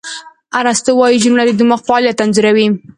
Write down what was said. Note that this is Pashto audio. ارسطو وایي، جمله د دماغ فعالیت انځوروي.